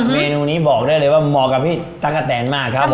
เมนูนี้บอกได้เลยว่าเหมาะกับพี่ตั๊กกะแตนมากครับ